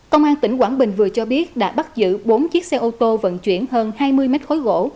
công an tỉnh quảng bình vừa cho biết đã bắt giữ bốn chiếc xe ô tô vận chuyển hơn hai mươi mét khối gỗ